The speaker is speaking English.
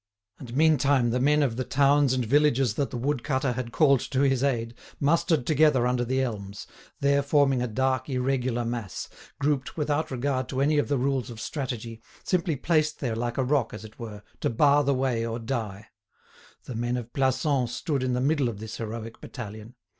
And meantime the men of the towns and villages that the wood cutter had called to his aid mustered together under the elms, there forming a dark irregular mass, grouped without regard to any of the rules of strategy, simply placed there like a rock, as it were, to bar the way or die. The men of Plassans stood in the middle of this heroic battalion.